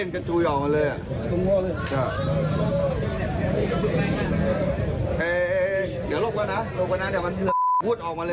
คนประตูเซเว่นกระจูยออกกันเลย